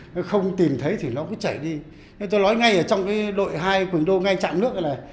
nó không tìm thấy thì nó cứ chảy đi nên tôi nói ngay ở trong đội hai quỳnh đô ngay trạm nước này này